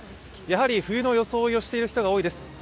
やはり冬の装いをしている人が多いです。